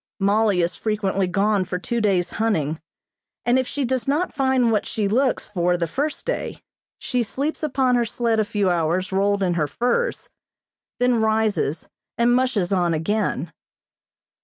Mollie is frequently gone for two days hunting, and if she does not find what she looks for the first day she sleeps upon her sled a few hours rolled in her furs, then rises and "mushes" on again.